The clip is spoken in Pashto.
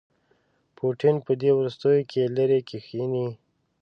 پوټین په دې وروستیوکې لیرې کښيني.